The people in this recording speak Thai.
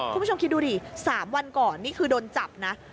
คุณผู้ชมคิดดูดิ๓วันก่อนนี่คือโดนจับนะ